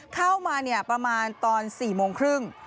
เข้ามาประมาณตอน๔โมงครึ่ง